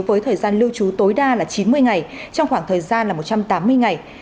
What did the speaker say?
với thời gian lưu trú tối đa là chín mươi ngày trong khoảng thời gian là một trăm tám mươi ngày